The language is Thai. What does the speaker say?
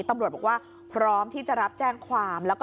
ตำรวจบอกว่าพร้อมที่จะรับแจ้งความแล้วก็